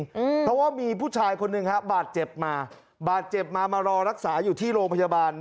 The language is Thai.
เพราะว่ามีผู้ชายคนหนึ่งฮะบาดเจ็บมาบาดเจ็บมามารอรักษาอยู่ที่โรงพยาบาล